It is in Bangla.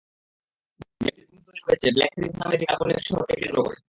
গেমটির পটভূমি তৈরি হয়েছে ব্ল্যাকরিজ নামের একটি কাল্পনিক শহরকে কেন্দ্র করে।